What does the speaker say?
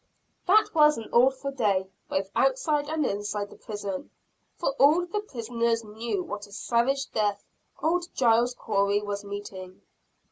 That was an awful day, both outside and inside the prison for all the prisoners knew what a savage death old Giles Corey was meeting.